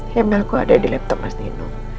yang mailku ada di laptop mas nino